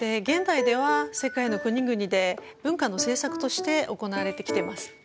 現代では世界の国々で文化の政策として行われてきてます。